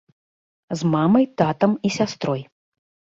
З мамай, татам і сястрой.